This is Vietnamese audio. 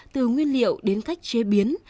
từ nguyên liệu đến cách chế biến